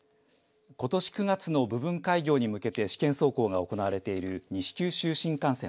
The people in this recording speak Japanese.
ことし９月の部分開業に向けて試験走行が行われている西九州新幹線。